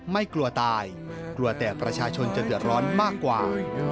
ไม่กลัวตายกลัวแต่ประชาชนจะเดือดร้อนมากกว่า